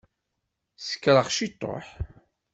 Sekṛeɣ ciṭuḥ.